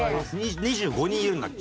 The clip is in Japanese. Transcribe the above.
２５人いるんだっけ？